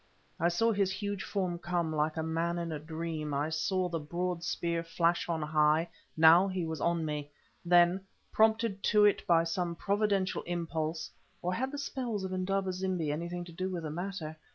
I saw his huge form come; like a man in a dream, I saw the broad spear flash on high; now he was on me! Then, prompted to it by some providential impulse—or had the spells of Indaba zimbi anything to do with the matter?